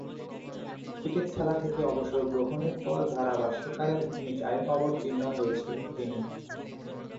Cricket খেলা থেকে অবসর গ্রহণের পর ধারাভাষ্যকারের ভূমিকায় অবতীর্ণ হয়েছেন তিনি।